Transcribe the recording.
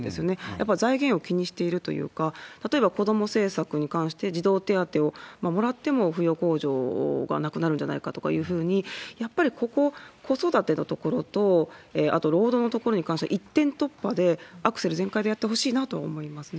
やっぱ財源を気にしているというか、例えば子ども政策に関して、児童手当をもらっても、扶養控除がなくなるんじゃないかとかいうふうに、やっぱりここ、子育てのところと、あと労働のところに関しては、一転突破で、アクセル全開でやってほしいなと思いますね。